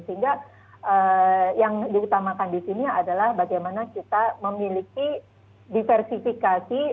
sehingga yang diutamakan di sini adalah bagaimana kita memiliki diversifikasi